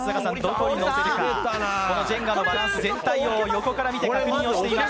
このジェンガのバランス全体を横から見て確認しています。